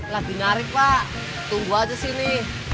lagi narik pak tunggu aja sini